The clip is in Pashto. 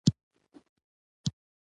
الوتکه د پرواز لوړ تخنیک کاروي.